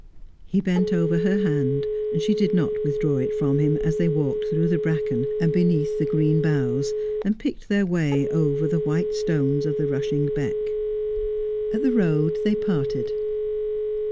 He bent over her hand; she did not withdraw it from him as they walked through the bracken, and beneath the green boughs, and picked their way over the white stones of the rushing beck. At the road, they parted.